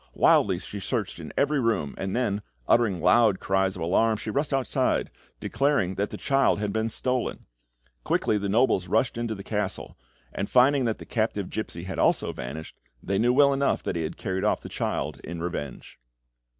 Wildly she searched in every room, and then, uttering loud cries of alarm, she rushed outside, declaring that the child had been stolen. Quickly the nobles rushed into the castle, and finding that the captive gipsy had also vanished, they knew well enough that he had carried off the child in revenge.